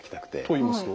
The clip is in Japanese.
といいますと？